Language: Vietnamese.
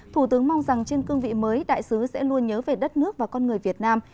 thủ tướng mong rằng trên cương vị mới đại sứ sẽ luôn nhớ về đất nước và con người việt nam